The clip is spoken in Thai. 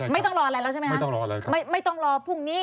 ไม่ต้องรออะไรแล้วใช่ไหมคะไม่ต้องรอภูมิ